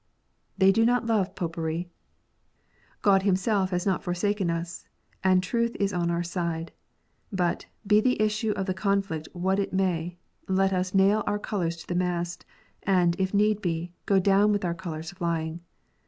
They do not love Popery. God Himself has not forsaken us, and truth is on our side. But, be the issue of the conflict what it may, let us nail our colours to the mast ; and, if need be, go down with our colours flying.